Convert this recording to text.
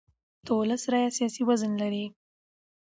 د ولس رایه سیاسي وزن لري